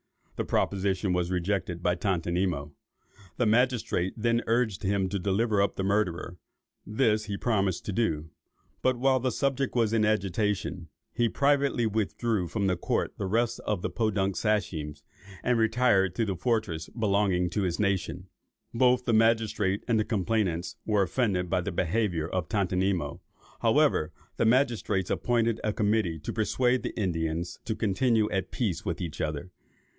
The proposition was rejected by Tontonimo. The magistrates then urged him to deliver up the murderer: this he promised to do. But while the subject was in agitation, he privately withdrew from the court with the rest of the Podunk Sachems, and retired to the fortress belonging to his nation. Both the magistrates and the complainants were offended at this behaviour of Tontonimo. However, the magistrates appointed a committee to persuade the Indians to continue at peace with each other.